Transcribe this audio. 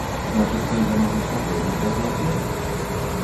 Значыцца, я магу спакойна праз вас ехаць?